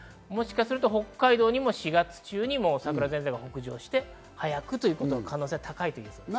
もしかすると、北海道にも４月中にも桜前線が北上して早くという可能性は高いです。